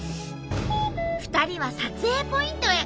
２人は撮影ポイントへ。